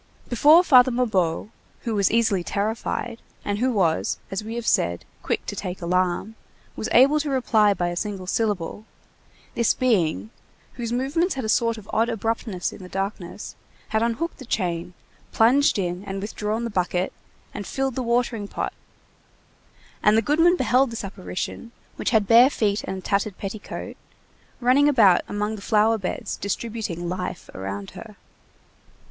Before Father Mabeuf, who was easily terrified, and who was, as we have said, quick to take alarm, was able to reply by a single syllable, this being, whose movements had a sort of odd abruptness in the darkness, had unhooked the chain, plunged in and withdrawn the bucket, and filled the watering pot, and the goodman beheld this apparition, which had bare feet and a tattered petticoat, running about among the flower beds distributing life around her.